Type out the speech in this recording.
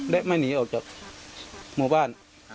และไม่หนีออกจากหมู่บ้าน